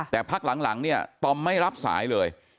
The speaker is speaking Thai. แต่พักหลังเนี่ยตอมไม่รับสายเลย